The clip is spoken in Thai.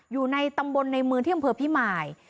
อยู่ในตำบลในเมืองที่อำเภอพิมาย